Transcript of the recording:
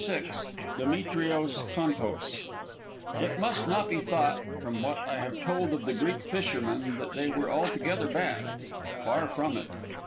VI DEMETRIOS CONTOS It must not be thought, from what I have told of the Greek fishermen, that they were altogether bad. Far from it.